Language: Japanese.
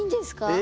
え？